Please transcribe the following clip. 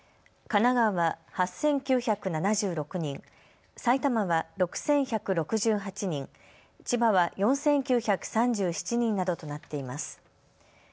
神奈川は８９７６人、埼玉は６１６８人、千葉は４９３７人などとなっています。